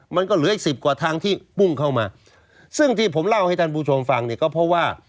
มันก็เหลืออีกสิบกว่าทางที่ปุ้งเข้ามาซึ่งที่ผมเล่าให้ท่านผู้ชมฟังเนี่ยก็เพราะว่า